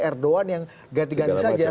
erdogan yang ganti ganti saja